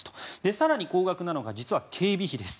更に高額なのが実は警備費です。